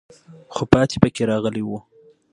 خو پاتې پکې راغلی وو.